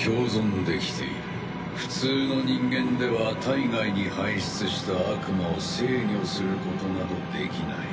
普通の人間では体外に排出した悪魔を制御することなどできない。